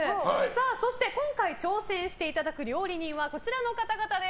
そして今回挑戦していただく料理人はこちらの方々です。